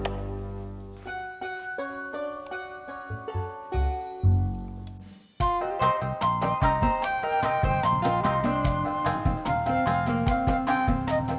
neneng udah masak